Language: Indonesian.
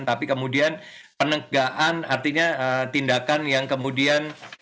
tapi kemudian penegaan artinya tindakan yang kemudian